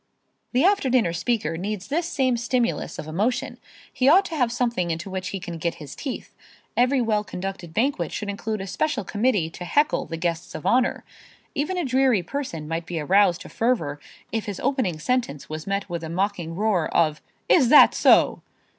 The after dinner speaker needs this same stimulus of emotion. He ought to have something into which he can get his teeth. Every well conducted banquet should include a special committee to heckle the guests of honor. Even a dreary person might be aroused to fervor if his opening sentence was met with a mocking roar of, "Is that so!"